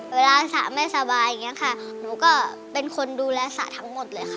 เวลาสระไม่สบายอย่างนี้ค่ะหนูก็เป็นคนดูแลสระทั้งหมดเลยค่ะ